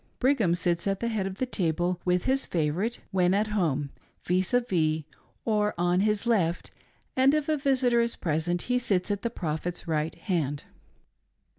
Brig ham sits at the head of the table, with his favorite — when at home — vis a vis, or on his left, and if a visitor is present he sits at the Prophet's right hand.